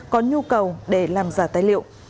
có nhu cầu để làm giả tài liệu